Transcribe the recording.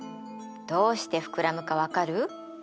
どうして膨らむか分かる？